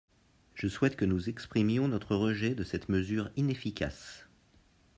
Je souhaite que nous exprimions notre rejet de cette mesure inefficace